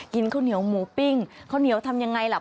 ข้าวเหนียวหมูปิ้งข้าวเหนียวทำยังไงล่ะ